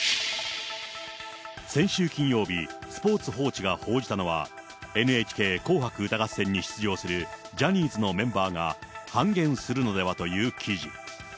先週金曜日、スポーツ報知が報じたのは、ＮＨＫ紅白歌合戦に出場するジャニーズのメンバーが半減するのではという記事。